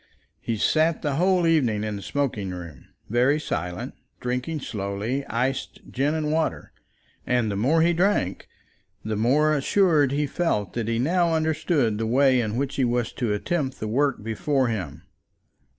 He sat the whole evening in the smoking room, very silent, drinking slowly iced gin and water; and the more he drank the more assured he felt that he now understood the way in which he was to attempt the work before him.